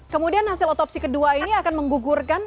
kemudian hasil otopsi kedua ini akan menggugurkan